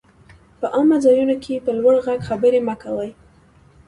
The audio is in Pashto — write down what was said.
په عامه ځايونو کي په لوړ ږغ خبري مه کوئ!